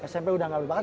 smp udah gak berpakat